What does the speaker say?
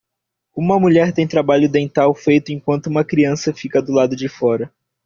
Uma mulher tem trabalho dental feito enquanto uma criança fica do lado de fora.